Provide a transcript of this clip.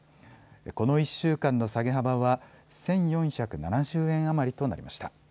この１週間の下げ幅は１４７０円余りとなりました。